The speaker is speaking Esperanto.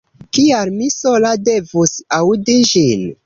Kial mi sola devus aŭdi ĝin?